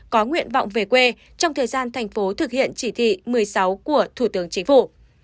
có nguyện vọng về quê trong thời gian thành phố thực hiện chỉ thị một mươi sáu của thủ tướng chính phủ